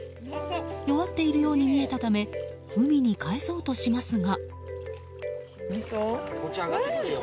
弱っているように見えたため海にかえそうとしますが。